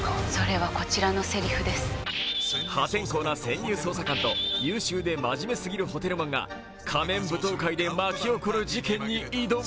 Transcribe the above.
破天荒な潜入捜査官と優秀で真面目すぎるホテルマンが仮面舞踏会で巻き起こる事件に挑む。